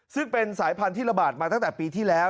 ซึ่งเป็นสายพันธุ์ที่ระบาดมาตั้งแต่ปีที่แล้ว